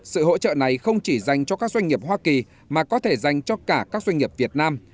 sự hỗ trợ này không chỉ dành cho các doanh nghiệp hoa kỳ mà có thể dành cho cả các doanh nghiệp việt nam